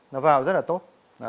nó vào rất là tốt